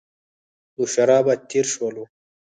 له شورابه تېر شولو.